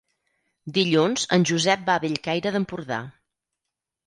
Dilluns en Josep va a Bellcaire d'Empordà.